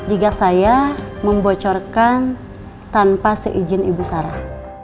jika saya membocorkan tanpa seizin ibu sarah